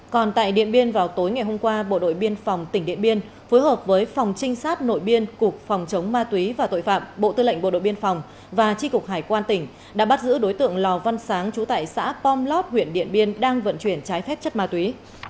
còn tại điện biên vào tối ngày hôm qua bộ đội biên phòng tỉnh điện biên phối hợp với phòng trinh sát nội biên cục phòng chống ma túy và tội phạm bộ tư lệnh bộ đội biên phòng và tri cục hải quan tỉnh đã bắt giữ đối tượng lò văn sáng trú tại xã pomlot huyện điện biên đang vận chuyển trái phép chất ma túy